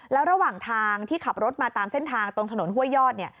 แล้วระหว่างทางที่ขับรถมาตามเส้นทางตรงถนนห้วยยอดเนี่ย